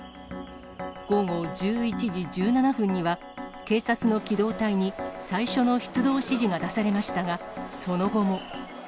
午後１１時１７分には、警察の機動隊に、最初の出動指示が出されましたが、その後も。